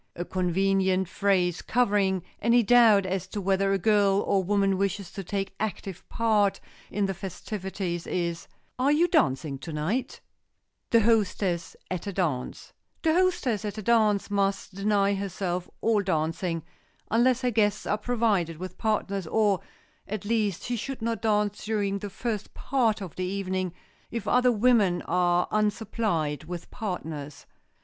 A convenient phrase covering any doubt as to whether a girl or woman wishes to take active part in the festivities is, "Are you dancing to night?" [Sidenote: THE HOSTESS AT A DANCE] The hostess at a dance must deny herself all dancing, unless her guests are provided with partners—or, at least, she should not dance during the first part of the evening if other women are unsupplied with partners.